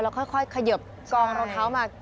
ค่อยเขยิบกองรองเท้ามา